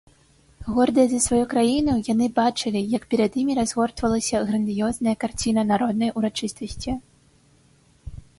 Гордыя за сваю краіну, яны бачылі, як перад імі разгортвалася грандыёзная карціна народнай урачыстасці.